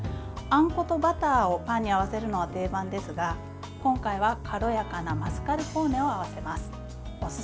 あんことバターをパンに合わせるのは定番ですが今回は軽やかなマスカルポーネを合わせます。